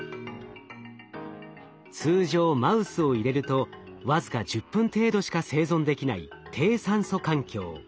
通常マウスを入れると僅か１０分程度しか生存できない低酸素環境。